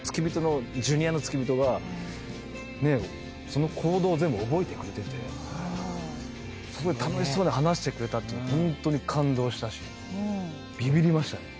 その行動を全部覚えてくれててすごい楽しそうに話してくれたっていうのホントに感動したしビビりましたね。